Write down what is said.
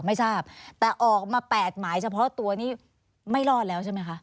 ไม่ทราบแต่ออกมา๘หมายเฉพาะตัวนี้ไม่รอดแล้วใช่ไหมคะ